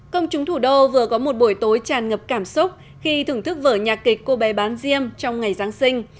công chúng thủ đô vừa có một buổi tối tràn ngập cảm xúc khi thưởng thức vở nhạc kịch cô bé bán riêng trong ngày giáng sinh